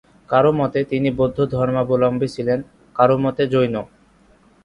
কারও মতে, তিনি বৌদ্ধ ধর্মাবলম্বী ছিলেন, কারও মতে জৈন।